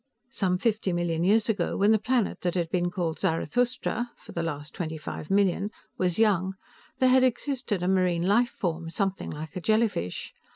Some fifty million years ago, when the planet that had been called Zarathustra (for the last twenty five million) was young, there had existed a marine life form, something like a jellyfish.